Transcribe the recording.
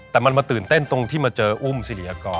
แต่มันมาตื่นเต้นตรงที่มาเจออุ้มสิริยากร